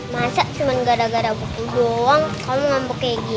masa cuma gara gara waktu doang kamu ngambek kayak gini